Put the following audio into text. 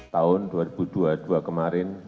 tahun dua ribu dua puluh dua kemarin